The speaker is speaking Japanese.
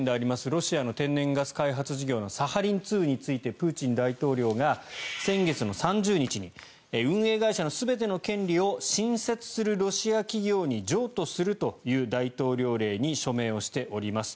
ロシアの天然ガス開発事業のサハリン２についてプーチン大統領が先月３０日に運営会社の全ての権利を新設するロシア企業に譲渡するという大統領令に署名しております。